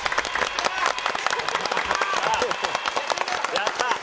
やった。